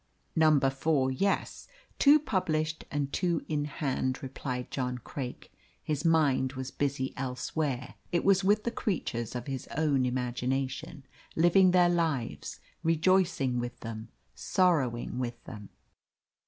"Number four, yes; two published and two in hand," replied John Craik. His mind was busy elsewhere; it was with the creatures of his own imagination, living their lives, rejoicing with them, sorrowing with them.